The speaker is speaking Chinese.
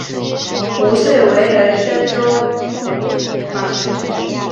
壶遂为人深中笃行。